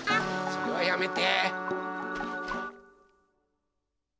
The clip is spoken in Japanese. それはやめて。